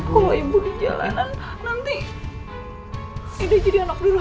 kalo ibu di jalanan nanti aida jadi anak dulu